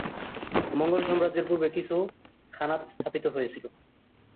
মঙ্গোল সাম্রাজ্যের পূর্বে কিছু খানাত স্থাপিত হয়েছিল।